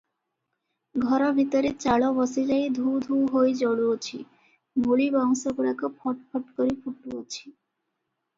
ଘର ଭିତରେ ଚାଳ ବସିଯାଇ ଧୂ ଧୂ ହୋଇ ଜଳୁଅଛି ମୂଳିବାଉଁଶଗୁଡ଼ାକ ଫଟ୍ ଫଟ୍ କରି ଫୁଟୁଅଛି ।